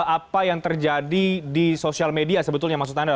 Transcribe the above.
apa yang terjadi di sosial media sebetulnya maksud anda